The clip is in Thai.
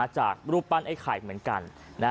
จากรูปปั้นไอ้ไข่เหมือนกัน